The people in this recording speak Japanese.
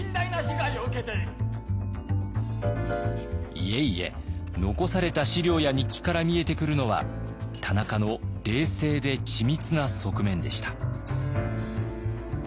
いえいえ残された資料や日記から見えてくるのは田中の冷静で緻密な側面でした。